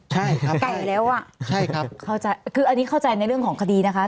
ใช่ครับใช่ครับไก่แล้วอ่ะคืออันนี้เข้าใจในเรื่องของคดีนะคะ